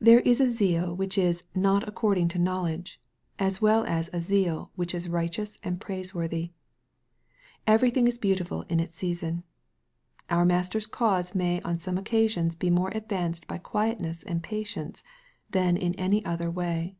There is a zeal which is " not according to knowledge," as well as a zeal which is righteous and praiseworthy. Everything is beautiful in its season. Our Master's cause may on some occasions be more advanced by quietness and patience, than in any other way.